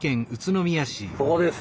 ここです。